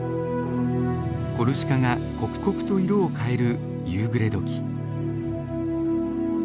コルシカが刻々と色を変える夕暮れ時。